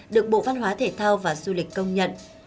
được bộ văn hóa thể thao và du lịch công nhận